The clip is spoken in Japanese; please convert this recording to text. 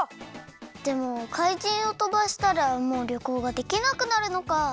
でもかいじんをとばしたらもうりょこうができなくなるのか。